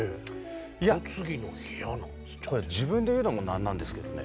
これ自分で言うのも何なんですけどね